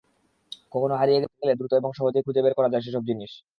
কখনো হারিয়ে গেলে দ্রুত এবং সহজেই খুঁজে বের করা যায় সেসব জিনিস।